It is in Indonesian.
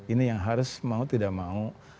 ini yang harus mau tidak mau